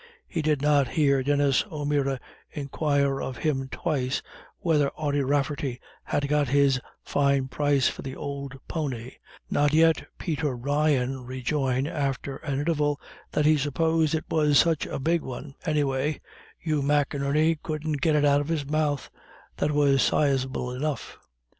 He did not hear Denis O'Meara inquire of him twice whether Ody Rafferty had got his fine price for the old pony; not yet Peter Ryan rejoin after an interval that he supposed it was such a big one, anyway, Hugh McInerney couldn't get it out of his mouth that was sizable enough.